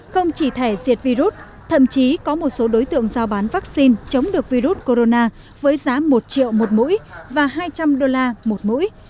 không chỉ thẻ diệt virus thậm chí có một số đối tượng giao bán vaccine chống được virus corona với giá một triệu một mũi và hai trăm linh đô la một mũi